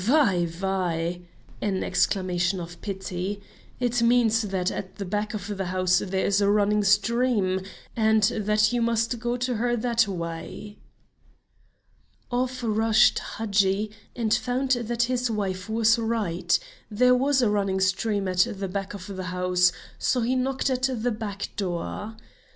"Veyh! Veyh! (an exclamation of pity) it means that at the back of the house there is a running stream, and that you must go to her that way." Off rushed Hadji and found that his wife was right; there was a running stream at the back of the house, so he knocked at the back door.